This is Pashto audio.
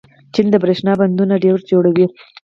چین د برښنا بندونه ډېر جوړوي.